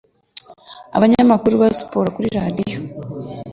abanyamakuru ba siporo kuri radio